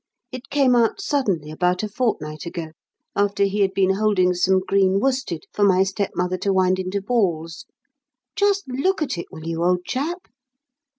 It came out suddenly about a fortnight ago, after he had been holding some green worsted for my stepmother to wind into balls. Just look at it, will you, old chap?"